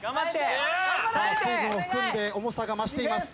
水分を含んで重さが増しています。